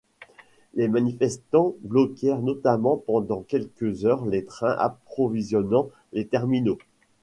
Les manifestants bloquèrent notamment pendant quelques heures les trains approvisionnant les terminaux.